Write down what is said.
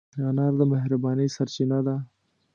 انا د مهربانۍ سرچینه ده